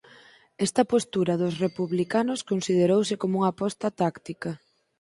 Esta postura dos republicanos considerouse como unha aposta táctica.